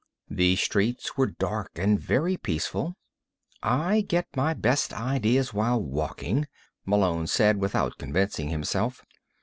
The streets were dark and very peaceful. I get my best ideas while walking, Malone said without convincing himself.